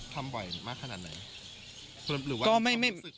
ทำบ่อยมากขนาดไหน